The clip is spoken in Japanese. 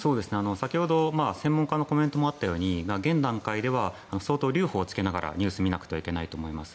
先ほど専門家のコメントもあったように現段階では相当、留保をつけながらニュースを見なくちゃいけないと思います。